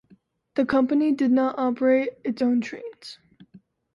The company did not operate its own trains.